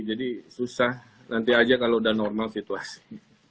jadi susah nanti aja kalau udah normal situasi